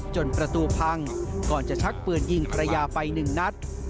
ประตูพังก่อนจะชักปืนยิงภรรยาไปหนึ่งนัด